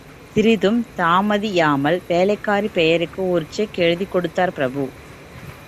சிறிதும் தாமதியாமல், வேலைக்காரி பெயருக்கு ஒரு செக் எழுதிக் கொடுத்தார் பிரபு.